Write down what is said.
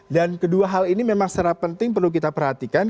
dan kedua hal ini memang secara penting perlu kita perhatikan